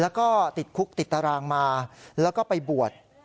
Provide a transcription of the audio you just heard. แล้วก็ติดคุกติดตารางมาแล้วก็ไปบวช